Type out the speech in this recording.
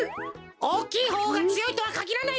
おおきいほうがつよいとはかぎらないぞ。